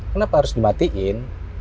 kenapa harus dimatiin